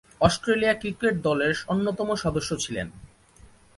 Australia cricket দলের অন্যতম সদস্য ছিলেন।